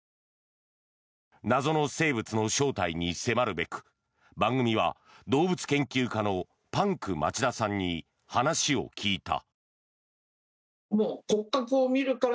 謎の生物の正体に迫るべく番組は、動物研究家のパンク町田さんに話を聞いた。